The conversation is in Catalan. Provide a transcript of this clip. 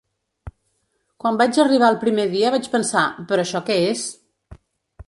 Quan vaig arribar el primer dia vaig pensar: “Però això què és?”